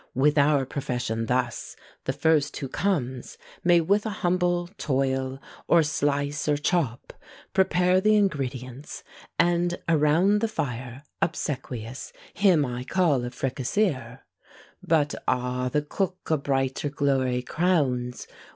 With our profession thus: the first who comes May with a humble toil, or slice, or chop, Prepare the ingredients, and around the fire Obsequious, him I call a fricasseer! But ah! the cook a brighter glory crowns!